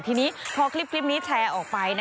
ทีนี้พอคลิปนี้แชร์ออกไป